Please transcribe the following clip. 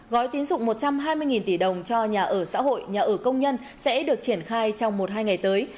gói tín dụng một trăm hai mươi tỷ đồng cho nhà ở xã hội nhà ở công nhân sẽ được triển khai trong một hai ngày tới